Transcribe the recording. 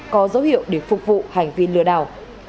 có dấu hiệu để phục vụ hành vi lừa đảo